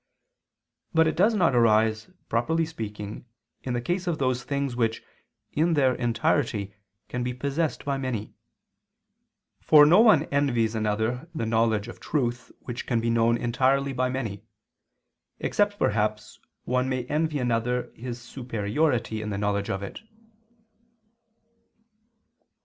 But it does not arise, properly speaking, in the case of those things which, in their entirety, can be possessed by many: for no one envies another the knowledge of truth, which can be known entirely by many; except perhaps one may envy another his superiority in the knowledge of it.